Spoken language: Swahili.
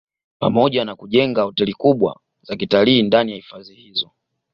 Pamoja na kujenga hoteli kubwa za kitalii ndani ya hifadhi hizo